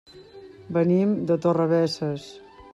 Venim de Torrebesses.